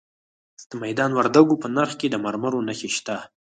د میدان وردګو په نرخ کې د مرمرو نښې شته.